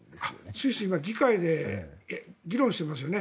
スイス、今議会で議論してますよね。